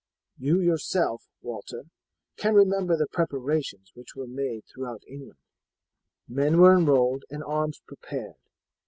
You yourself, Walter, can remember the preparations which were made throughout England: men were enrolled and arms prepared.